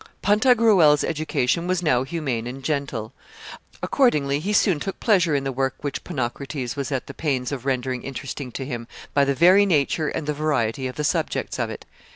Pantagruel's education was now humane and gentle. Accordingly he soon took pleasure in the work which Ponocrates was at the pains of rendering interesting to him by the very nature and the variety of the subjects of it.